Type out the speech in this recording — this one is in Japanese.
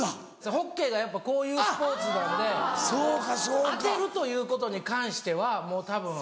ホッケーがやっぱこういうスポーツなんで当てるということに関してはもうたぶん。